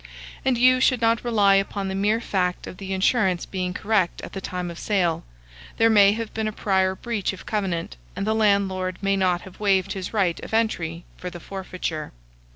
And you should not rely upon the mere fact of the insurance being correct at the time of sale: there may have been a prior breach of covenant, and the landlord may not have waived his right of entry for the forfeiture."